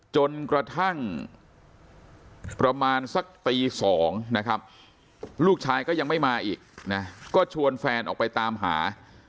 จนกระทั่งประมาณสักตี๒นะครับลูกชายก็ยังไม่มาอีกนะก็ชวนแฟนออกไปตามหา